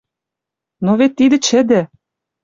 Но вет тидӹ чӹдӹ